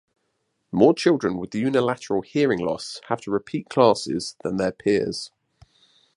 More children with unilateral hearing loss have to repeat classes than their peers.